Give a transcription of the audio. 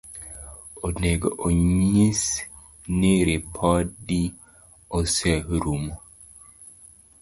Onego onyis ni ripodi oserumo.